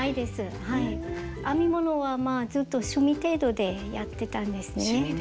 編み物はまあちょっと趣味程度でやってたんですね。